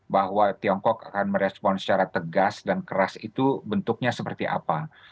bahwa tiongkok akan merespon secara tegas dan keras itu bentuknya seperti apa